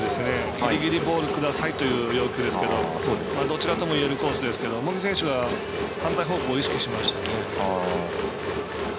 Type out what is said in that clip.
ぎりぎりボールくださいという要求ですけどどちらともいえるコースですけど茂木選手は反対方向を意識しましたね。